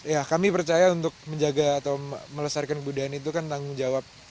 ya kami percaya untuk menjaga atau melesarkan kebudayaan itu kan tanggung jawab